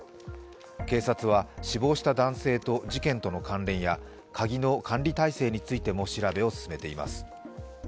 警察は死亡した男性と事件との関連や鍵の管理体制についても調べを進めています。